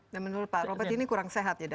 dan menurut pak robert ini kurang sehat ya